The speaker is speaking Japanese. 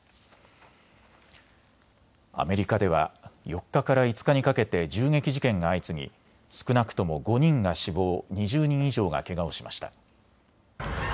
アメリカでは４日から５日にかけて銃撃事件が相次ぎ少なくとも５人が死亡、２０人以上がけがをしました。